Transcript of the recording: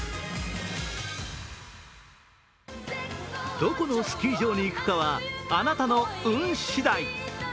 どこのスキー場に行くかはあなの運しだい。